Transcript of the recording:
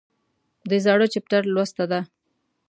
د زاړه چپټر لوسته دي